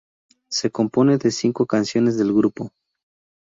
Se compone de cinco canciones del grupo.